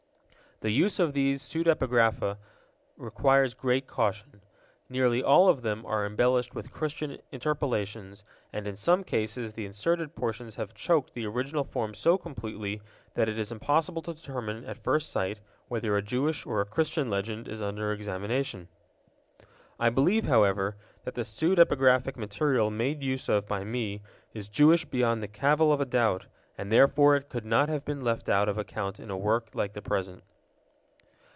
The use of these pseudepigrapha requires great caution. Nearly all of them are embellished with Christian interpolations, and in some cases the inserted portions have choked the original form so completely that it is impossible to determine at first sight whether a Jewish or a Christian legend is under examination. I believe, however, that the pseudepigraphic material made use of by me is Jewish beyond the cavil of a doubt, and therefore it could not have been left out of account in a work like the present.